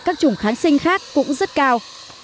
các trùng kháng sinh khác cũng rất cao